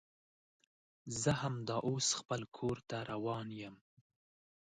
زه همدا اوس خپل کور ته روان یم